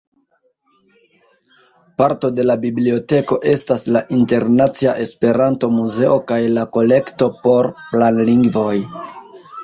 Parto de la biblioteko estas la Internacia Esperanto-Muzeo kaj la Kolekto por Planlingvoj.